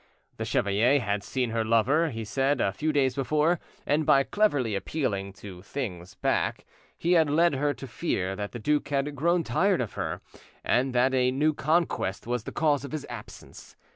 The chevalier had seen her lover, he said, a few days before, and by cleverly appealing to things back, he had led her to fear that the duke had grown tired of her, and that a new conquest was the cause of his absence.